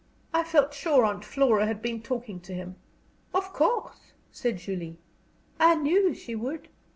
I felt sure Aunt Flora had been talking to him." "Of course," said Julie, "I knew she would."